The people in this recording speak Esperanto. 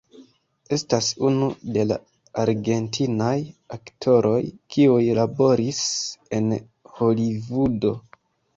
Estas unu de la argentinaj aktoroj kiuj laboris en Holivudo.